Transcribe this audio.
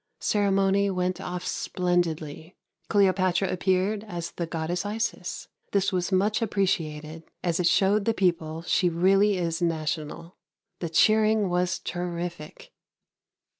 Ceremony went off splendidly. Cleopatra appeared as the Goddess Isis. This was much appreciated, as it showed the people she really is national. The cheering was terrific.